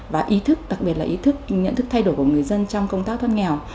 và ý thức đặc biệt là ý thức nhận thức thay đổi của người dân trong công tác thoát nghèo